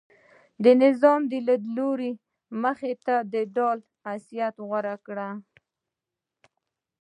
نظام د دې لیدلوري مخې ته د ډال حیثیت غوره کړی.